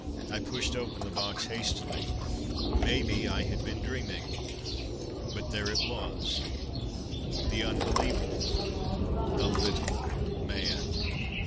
I pushed open the box hastily: maybe I had been dreaming. But there it was the unbelievable; the Little Man!